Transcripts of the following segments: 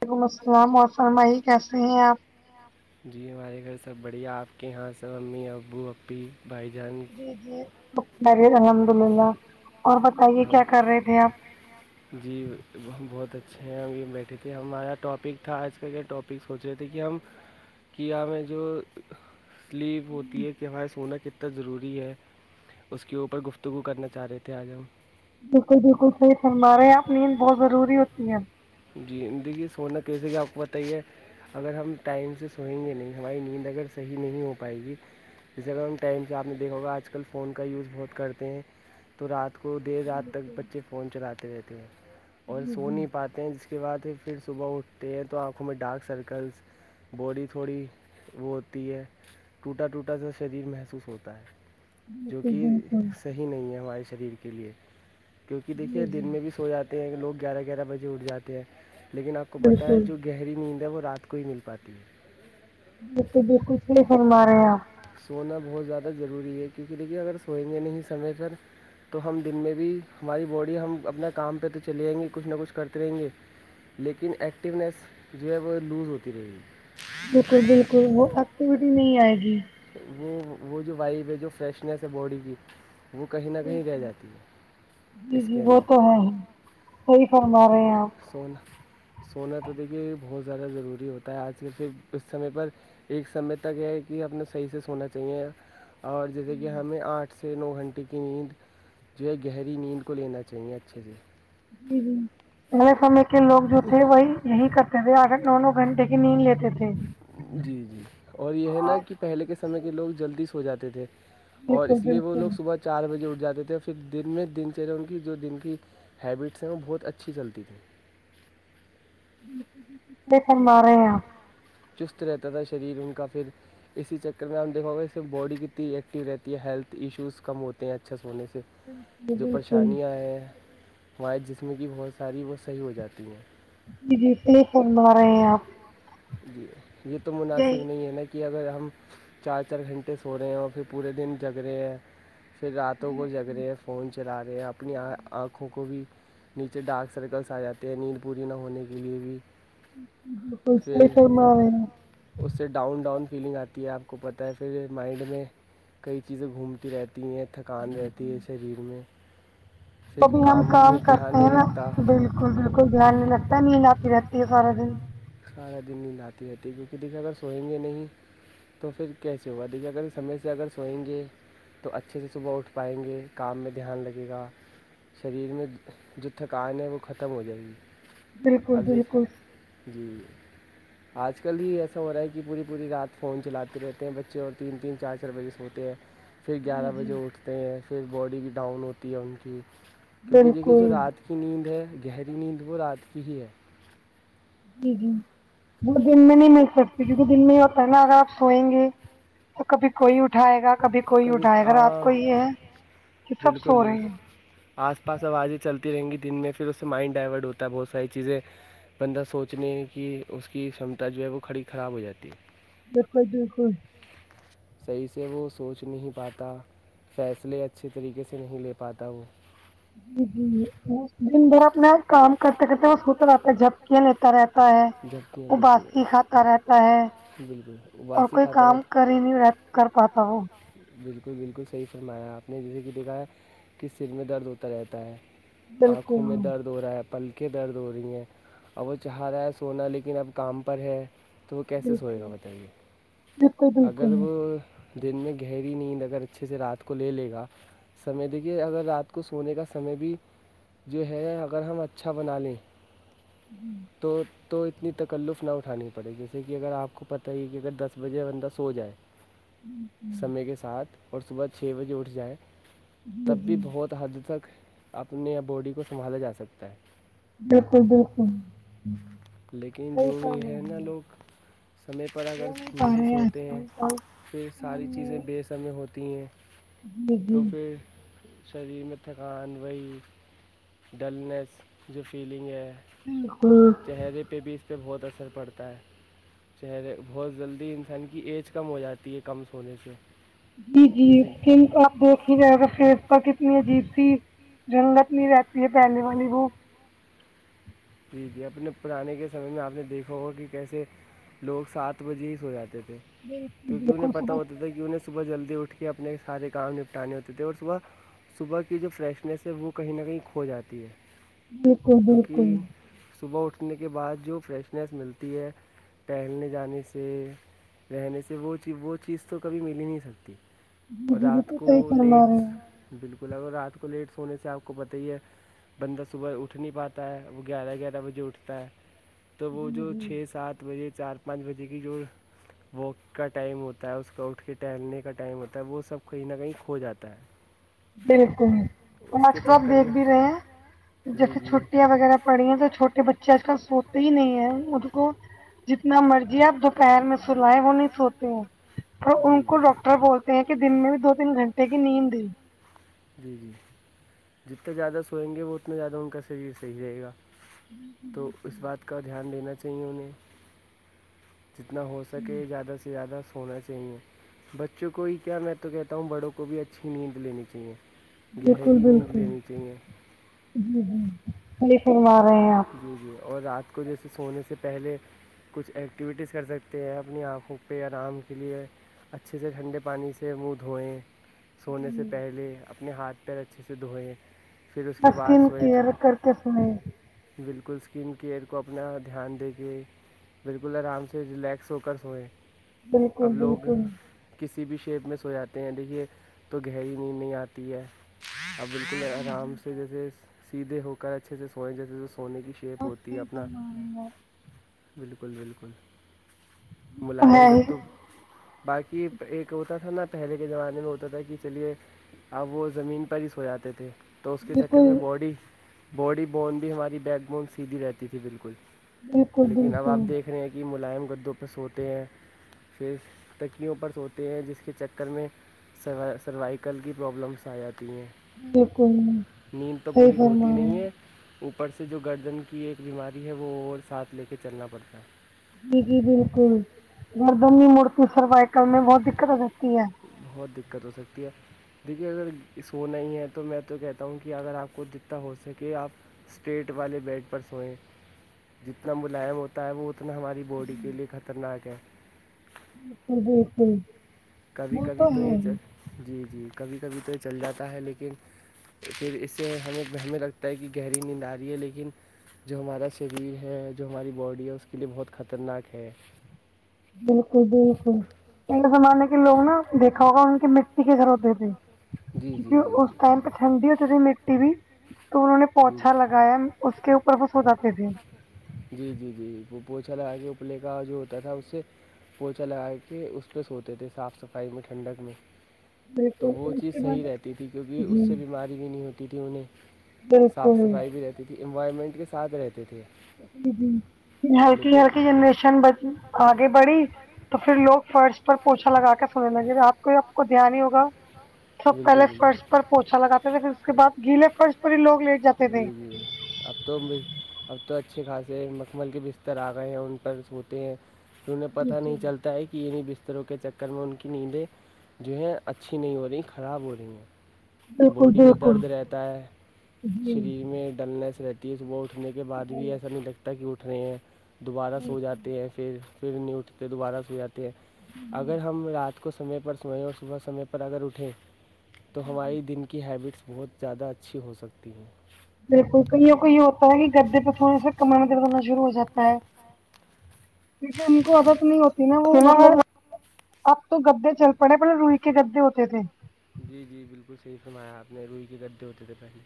وعلیکم السلام فرمائی کیسے ہیں آپ جی ہمارے گھر سب بڑھیا آپ کے یہاں سب امی ابو ای بھائی جان جی الحمد للہ اور بتائیے کیا کر رہے تھے آپ جی بہت اچھے ہیں ہم یہ بیٹھے تھے ہمارا ٹاپک تھا آج کل کے ٹاپک سوچ رہے تھے کہ ہم کہ ہمیں جو سلیپ ہوتی ہے کہ ہمیں سونا کتنا ضروری ہے اس کے اوپر گفتگو کرنا چاہ رہے تھے آج ہم بالکل بالکل صحیح سنما رہے ہیں آپ نیند بہت ضروری ہوتی ہے جی دیکی سونا کیسے کہ آپ کو بتائیے اگر ہم ٹائم سے سوئیں گے نہیں ہماری نیند اگر صحیح نہیں ہو پائے گی جیسے کہ ہم ٹائم سے آپ نے دیکھ ہوگا آج کل فون کا یوز بہت کرتے ہیں تو رات کو دیر رات تک بچے فون چلاتے رہتے ہیں اور سو نہیں پاتے جس کے بعد پھر صبح اٹھتے ہیں تو آنکھوں میں ڈارک سرکلس باڈی تھوڑی وہ ہوتی ہے ٹوٹا ٹوٹا سے شریر محسوس ہوتا ہے جو کہ صحیح نہیں ہے ہمارے شریر کے لئے کیونکہ دیکھیے دن میں بھی سو جاتا لوگ گیارہ گیارہ بجے اٹھ جاتے ہیں لیکن آپ کو پتا ہے جو گہری نیند ہے وہ رات کو ہی مل پاتی ہے جی بالکل بالکل صحیح فرما رہے ہیں آپ سونا بہت زیادہ ضروری ہے کیونکہ دیکھیے اگر سوئیں گے نہیں سمے پر تو ہم دن میں بھی ہماری باڈی ہم اپنا کام پہ تو چلے جئیں گے کچھ نہ کچھ کرتے رہیں گے لیکن ایکٹونیس جو ہے وہ لوز ہوتی رہے گی بالکل بالکل وہ ایکٹیوٹی نہیں آئے گی وہ وہ جو وائب ہے جو فریشنیس ہے باڈی کی وہ کہیں نہ کہیں رہ جاتی ہے جی جی وہ تو ہے ہی صحیح فرما رہے ہیں آپ سونا سونا تو دیکھیے بہت زیادہ ضروری ہوتا ہے آج کل سے اس سمے پر ایک سمے تک ہے کہ ہمنا صحیح سے سونا چاہیے اور جیسے کہ ہمیں آرٹ سے نو گھنٹے کی نیند جو ہے گہری نیند کو لینا چاہیے اچھے سے جی جی پے سمے کے لوگ جو تھے وہی یہی کرتے تھے اگر نو نو گھنٹے نیند لیتے تھے جی جی اور یہ ہے نا کہ پہلے کے سمے کے لوگ جلدی سو جاتے تھے اور اس لیے وہ لوگ صبح چار بجے اٹھ جاتے تھے پھر دن میں دن چرے ان کی جو دن کی ہیبٹس ہیں وہ بہت اچھی چلتی تھیں بے فرما رہے چست رہتا تھا شریر ان کا پھر اسی چکر میں ہم دیکھو گے صرف باڈی کتنی ایکٹیو رہتی ہے ہیلتھ ایشوز کم ہوتے ہیں اچھے سے ہونے سے جو پریشانیاں ہیں ہماد جسم کی بہت ساری وہ صحیح ہو جاتی ہیں [inaudible] ارے جی یہ تو مناسب نہیں ہے نا کہ اگر ہم چار چار گھنٹے سو رہے ہیں اور پھر پورے دن جگ رہے ہیں پھر راتوں کو جگ رہے ہیں فون چلا رہے ہیں اپنی آنکھوں کو بھی نیچے ڈارک سرکلس آ جاتے ہیں نیند پوری نہ ہونے کے لیے بھی شورم اس سے ڈاؤن ڈاؤن فیلنگ آتی ہے آپ کو پتہ ہے پھر مائنڈ میں کئی چیزیں گھومتی رہتی تی ہیں تھکان رہتی ہے شریر میں پھر کام میں دھیان نہیں لگتا بالکل بالکل دھیان نہیں رکھتا ہے نیند آپتی رہتی ہے سارا دن سارہ دن نداتی رہتی کیونکہ دکھے اگر سوئیں گے نہیں تو پھر کیسے ہوا دیکھیے اگر سمے سے اگر سوئیں گے تو اچھے سے صبح اٹھ پائیں گے کام میں دھیان لگے گا شریر میں جو تھکان ہے وہ ختم ہو جائے گی بالکل بالکل جی آج کل ہی ایسا ہو رہا ہے کہ پوری پوری رات فون چلاتے رہتے بچے اور تین تین چار چار بجے فون [inaudible] پھر گیارہ بجے اٹھتے ہیں پھر باڈی کی ڈاؤن ہوتی ہے ان کی کیونکہ دیکھیے جو رات کی نیند ہے گہری نیند وہ رات کی ہی ہے جی جی وہ دن میں نہیں مل سکتی کیونکہ دن میں ہی ہوتا ہے نا اگر آپ سوئیں گے تو کبھی کوئی اٹھائے گا کبھی کوئی اٹھائے گا رات کو ہی ہے بالکل بالکل آس پاس او آازیں چلتی رہیں گی دن میں پھر اس سے مائنڈ ڈائیورٹ ہوتا ہے بہت ساری چیزیں بندہ سوچنے کہ اس کی چھمتا جو ہے وہ کھڑی خراب ہو جاتی ہے بالکل بالکل صحیح سے وہ سوچ نہیں پاتا فیصلے اچھے طریقے سے نہیں لے پاتا وہ جی جی جی دن بھر اپنا کام کرتے کرتے وہ ہوتا آتا جب کیا لی رہتا ہے وہ باسکی کھاتا رہتا ہے جی بالکل واسی خھاتر رہ ر کر پاتا ہو بالکل بالکل صحیح فرمایا آپ نے جیسے کہ دیکھا ہے کس سر میں درد ہوتا رہتا ہے آنکھوں میں درد ہو رہا ہے پلٹ کے درد ہو رہی ہیں اب وہ چاہا رہا ہے سونا لیکن اب کام پر ہے تو وہ کیسے سوئے گا بتائیے اگر وہ دن میں گہری نیند اگر اچھے سے رات کو لے لے گا سمے دیکھیے اگر رات کو سونے کا سمے بھی جو ہے اگر ہم اچھا بنا لیں تو تو اتنی تکلف نہ اٹھانی پڑےی جیسے کہ اگر آپ کو پتہ ہے کہ اگر دس بجے اندر د سو جائے سمے کے ساتھ اور صبح چھ بجے اٹھ جائیں تب بھی بہت حد تک اپنےیا باڈی کو سنبھالا جا سکتا ہے لیکن جو بھی ہے نا لوگ سمے پر اگر نہیں سو ہیں پھر ساری چیزیں بے سمے ہوتی ہیں تو پھر شریر میں تھکان وہی ڈلنیس جو فیلنگ ہے ہوں چہرے پہ بھی اس پہ بہت اثر پڑتا ہے چہرے بہت جلدی انسان کی ایج کم ہو جاتی ہے کم سونے سے جی جی اسکن آپ دیکھ ہی جائے گا فیس کا کتنی عجیب سی ننت نہیں رہتی ہے پہلے والی وہ ٹھیک ہے اپنے پرانے کے سمے میں آپ نے دیکھا ہوگا کہ کیسے لوگ سات بجے ہی سو جاتے تھے کیونکہ انہیں پت ہوتا تھا کہ انہیں سو صبح جلدی اٹھ کے اپنے سارے کام نپٹانے ہوتے تھے اور صبح صبح کی جو فریشنس ہے وہ کہیں نہ کہیں کھو جاتی ہے بالکل بالکل صبح اٹھنے کے بعد جو فریشنیس ملتی ہے ٹہلنے جانے سے رہنے سے وہ چی وہ چیز تو کبھی مل ہی نہیں سکتی اور رات کو لیٹس بالکل اگر رات کو لیٹ سونے سے آپ کو پتہ ہی ہے بندہ صبح اٹھ نہیں پاتا ہے گیارہ گیارہ بجے اٹھتا ہے تو وہ جو چھ سات بجے چار پانچ بجے کی جو واک کا ٹائم ہوتا ہے اسس کو اٹھ کے ٹہلنے کا ٹائم ہوتا ہے وہ سب کہیں نہ کہیں کھو جاتا ہے [inaudible] بالکل تو آج کل آپ دیکھ بھی رہے ہیں جیسے چھٹیاں وغیرہ پڑھیے تو چھوٹے بچے آج کل سوتے ہی نہیں ہے خد کو جتنا مرضی آپ دوپہر میں سنوائی ہونی سوتے ہیں پر ان کو ڈاکٹر بولتے کہتے ہے کہ دن میں بھی دو تین گھنے کی نیند جی جی جتنے زیادہ سوئیں گے وہ اتنا زیادہ ان کا شریر صحیح رہے گا [inaudible] تو اس بات کا دھیان دینا چاہیے انہیں جتنا ہو سکے زیادہ سے زیادہ ہونا چاہیے بچوں کو ہی کیا میں تو کہتا ہوں بڑوں کو بھی اچھی نیند لینی چاہیے گہری نیند لینی چاہیے جی جی وہی شرما رہے ہیں آپ جی جی اور رات کو جیسے سونے سے پہلے کچھ ایکٹیویٹیز کر سکتے ہیں اپنی آنکھوں پہ آرام کے لیے اچھے سے ٹھنڈے پانی سے منہ دھوئیں سونے سے پہلے اپنے ہاتھ پیر اچھے سے دھوئیں اسکن کیئر کر کے سنے بالکل اسکن کیئر کو اپنا دھیان دے کے بالکل آرام سے ریلیکس ہو کر سوئئے اب لوگ کسی بھی شیپ میں سو جاتے ہیں دیکھیے تو گہری نیند نہیں آتی ہے بالکل آرام سے جیسے سیدھے ہو کر اچھے سے سونے جیسے سونے کی یہ بولتی اپنا بالکل بالکل ملائم گدو باقی ایک ہوتا تھا نا پہلے کے زمانے میں ہوتا تھا کہ چلیے اب وہ زمین پر ہی سو جاتے تھے تو اس کے چکر میں باڈی باڈی بون بھی ہماری بیک بون سیدھی رہتی تھی بالکل لیکن اب آپ دیکھ رہے ہیں کہ ملائم گدوں پہ سوتے ہیں پی تکیوں پر سوتے ہیں جس کے چکر میں سرو سروائیکل کی پرابلمس آ جاتی ہیں نیند تو پوری ہوتی نہیں ہے اوپر سے جو گردن کی ایک بیماری ہے وہ اور ساتھ لے کے چلنا پڑتا ہے جی جی بالکل گردنی مڑتی سروائکل میں بہت دقت ہو سکتی ہے بہت دقت ہو سکتی ہے دیکھیے اگر سونا ہے تو میں تو کہتا ہوں کہ اگر آپ کو جتنا ہو سکے آپ اسٹیٹ والے بیٹ پر سوئیں جتنا ملائم ہوتا ہے وہ اتنا ہماری باڈی کے لیے خطرناک ہے بالکل بالکل کبھی کبھی تو یہ جی جی کبھی کبھی تو یہ چل جاتا ہے لیکن پھر اس سے ہمیں ہمیں لگتا ہے کہ گہری نیند آ رہی ہے لیکن جو ہمارا شریر ہے جو ہماری باڈی ہے اس کے لیے بہت خطرناک ہے بالکل بالکل پہلے زمانے کے لوگ نا دیکھا ہوگا ان کی مٹی کےزر ہوتے تھے جی جی جی جی ٹھنڈی ہوتی تھی مٹی بھی تو انہوں نے پوچھا لگایا اس کے اوپر وہ سو جاتے تھے جی جی جی وہ پوچھا لگا کے اوپلے کا جو ہوتا تھا اس سے پوچا لگا کے اس پہ سوتے تھے صاف صفائی میں ٹھنڈک میں تو وہ چیز صحیح رہتی تھی کیونکہ اس سے بیماری بھی نہیں ہوتی تھی انہیں صاف صفائی بھی رہتی تھی انوائرمنٹ کے ساتھ رہتے تھے جی جی ہلکی ہلکی جنریشن آگے بڑھی تو پھر لوگ فرس پر پوچا لگا کے سنے لیںے آپ کو یہ آپ کو دھیان ہی ہوگا سب پہلے فرش پر پوچا لگاتے تھے پھر اس کےعد گیلے فرش پر ہی لوگ لیڈ ان کے اب تو اب تو اچھے خاصے مکھمل کے بستر آ گئے ہیں ان پر سوتے ہیں انہیں پت نہیں چلتا ہے کہ پتروں کے چکر میں ان کی نیندیں جو ہیں اچھی نہیں ہو رہی خراب ہو رہی ہیں باڈی میں درد رہتا ہے شریر میں ڈلنیس رہتی صبح اٹھنے کے بعد بھی ایسا نہیں لگتا کہ اٹھنے ہیں دوبارہ سو جاتے ہیں پھر پھر نوٹھتے دوبارہ سو جاتے ہیں اگر ہم رات کو سمے پر سمئے اور صبح سمے پر اگر اٹھیں تو ہوائی د ہیبٹس بہت زیادہ اچھی ہو سکتی ہیں بالکل کئیوں کو یہ ہوتا ہے کہ گدے پہ تھوڑنے سے کمان دد ہونا شروع ہو جاتا ہے ٹیک ہے ان کو ازا تو نہیں ہوتی نا وہ مطلب اب تو گدے چل پڑے پے روئی کے گدے ہوتے تھے جی جی بالکل صحیح فرمایا آپ نے روئی کے گدے ہوتے تھے پہلے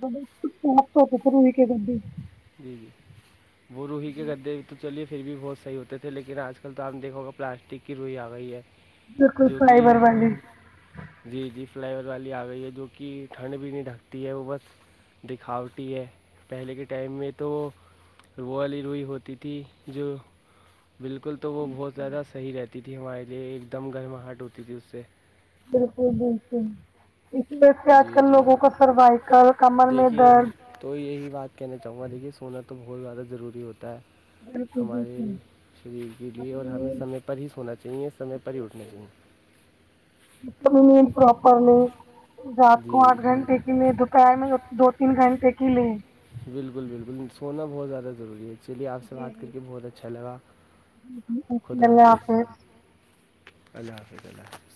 بسس کے پروئی کے بند جی جی وہ روح کے گدے بھی تو چلیے پھر بھی بہت صحیح ہوتے تھے لیکن آج کل تو آ دیکھو گا پلاسٹک کی روئی آ گی ہے جوونکہ جی جی فلائی اوور والی آ گئی ہے جو کہ ٹھنڈ بھی نہیں ڈھکتی ہے وہ بس دکھاوٹی ہے پہلے کے ٹائم میں تو رو والی روئی ہوتی تھی جو بالکل تو وہ بہت زیادہ صحیح رہتی تھی ہمارے لیے ایک دم گرماہٹ ہوتی تھی اس سے بالکل بالکل اسی وجہ سے آج کل لوگوں کا سروائیکل کمر میں درد تو یہی بات کہنا چاہوں گا دیکھیے سونا تو بہت زیادہ ضروری ہوتا ہے ہمارے شریر کے لیے اور ہمیں سمے پر ہی سونا چاہیے سمے پر ہی اٹھنا چاہیے پراپرلی رات کو آٹھ گھنٹے کی میں کرائے میں دو تین گھنٹے کے لیے بالکل بالکل سونا بہت زیادہ ضروری ہے چلیے آپ سے بات کر کے بہت اچھا لگا خدا حافظ اللہ حافظ اللہ